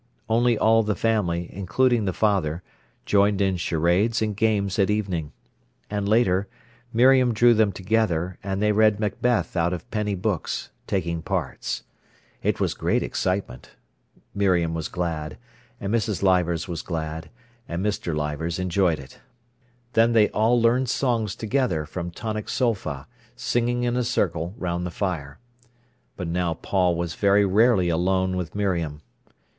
Only all the family, including the father, joined in charades and games at evening. And later, Miriam drew them together, and they read Macbeth out of penny books, taking parts. It was great excitement. Miriam was glad, and Mrs. Leivers was glad, and Mr. Leivers enjoyed it. Then they all learned songs together from tonic sol fa, singing in a circle round the fire. But now Paul was very rarely alone with Miriam.